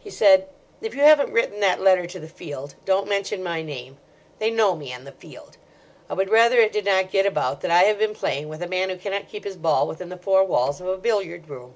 He said: "If you haven't written that letter to The Field, don't mention my name. They know me on The Field. I would rather it did not get about that I have been playing with a man who cannot keep his ball within the four walls of a billiard room."